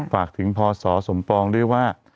ฝากถึงพศสมปองด้วยว่า